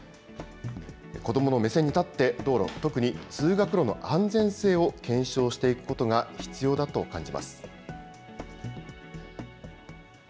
子どもの目線に立って、道路、特に通学路の安全性を検証していくことが必要だと感じます。